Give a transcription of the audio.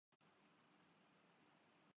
کو چار چاند لگا دیتے ہیں